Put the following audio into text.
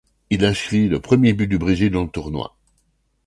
Il inscrit le premier but du Brésil dans le tournoi.